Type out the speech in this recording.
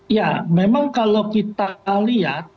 ya memang kalau kita lihat